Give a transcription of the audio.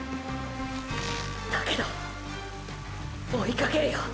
だけど追いかけるよ！！